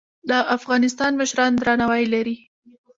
د افغانستان مشران درناوی لري